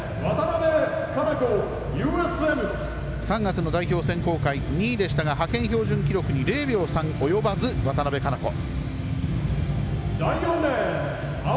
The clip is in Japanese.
３月の代表選考会２位でしたが、派遣標準記録に０秒３及ばず、渡部香生子。